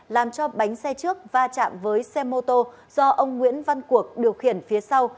làm cho bánh xe trước va chạm với xe mô tô do ông nguyễn văn cuộc điều khiển phía sau